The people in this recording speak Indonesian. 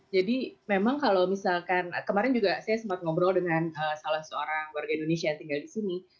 jadi memang kalau misalkan kemarin juga saya sempat ngobrol dengan salah seorang warga indonesia yang tinggal di sini